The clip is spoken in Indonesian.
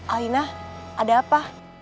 alina ada apa